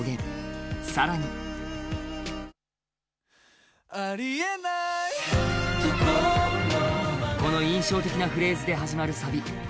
更に、この印象的なフレーズで始まるサビ。